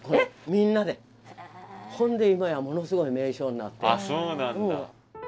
ほんで今やものすごい名所になって。